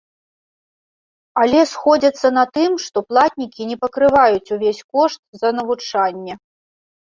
Але сходзяцца на тым, што платнікі не пакрываюць увесь кошт за навучанне.